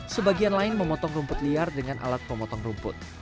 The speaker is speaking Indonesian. sebagian lain memotong rumput liar dengan alat pemotong rumput